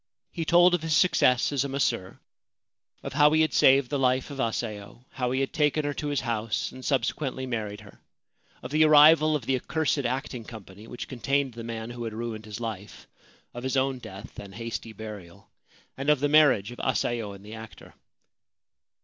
He told of his success as a masseur ; of how he had saved the life of Asayo, how he had taken her to his house and subsequently married her ; of the arrival of the accursed acting company which contained the man who had ruined his life ; of his own death and hasty burial ; and of the marriage of Asayo and the actor.